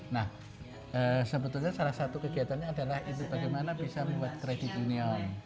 nah sebetulnya salah satu kegiatannya adalah itu bagaimana bisa membuat kredit union